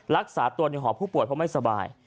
รักษาตัวในหอผู้ป่วยเพราะไม่สบาย